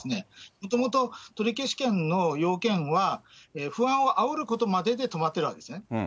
もともと取消権の要件は、不安をあおることまでで止まってるわけですね。